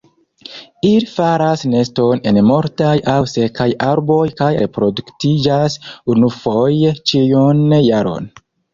Ili faras neston en mortaj aŭ sekaj arboj kaj reproduktiĝas unufoje ĉiun jaron.